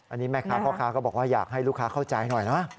อันนี้แม่ค้าพ่อค้าก็บอกว่าอยากให้ลูกค้าเข้าใจหน่อยนะ